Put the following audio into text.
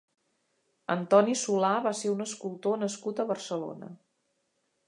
Antoni Solà va ser un escultor nascut a Barcelona.